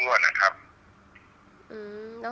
คุณพ่อได้จดหมายมาที่บ้าน